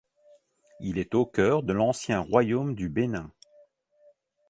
Il est au cœur de l'ancien royaume du Benin.